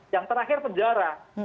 yang terakhir penjara